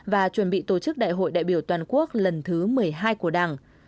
và chuẩn bị tổ chức đại hội đại biểu toàn quốc lần thứ một mươi hai của đảng